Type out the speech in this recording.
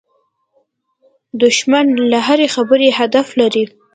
دښمن له هرې خبرې هدف لري